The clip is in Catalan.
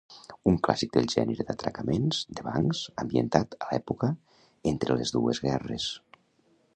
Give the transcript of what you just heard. Un clàssic del gènere d'atracaments de bancs, ambientat a l'època entre les dues guerres.